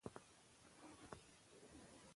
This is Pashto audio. متل: تربور چي ښه وي د تره زوی دی؛